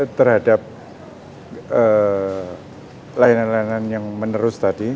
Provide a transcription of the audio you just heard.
terhadap layanan layanan yang menerus tadi